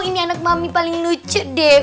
ini anak mami paling lucu deh